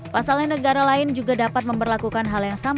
pasalnya negara lain juga dapat memperlakukan hal yang sama